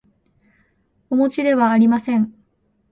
おもちではありません